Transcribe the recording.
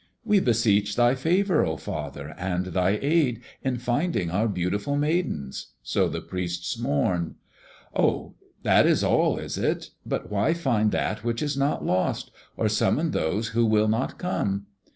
"We beseech thy favor, oh father, and thy aid, in finding our beautiful Maidens." So the priests mourned. "Oh, that is all, is it? But why find that which is not lost, or summon those who will not come?"